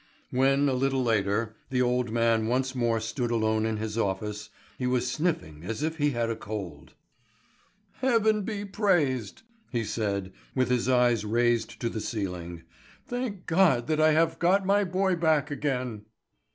When, a little later, the old man once more stood alone in his office, he was sniffing as if he had a cold. "Heaven be praised!" he said, with his eyes raised to the ceiling. "Thank God that I have got my boy back again!"